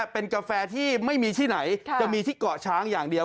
เป็นกาแฟที่ไม่มีที่ไหนจะมีที่เกาะช้างอย่างเดียว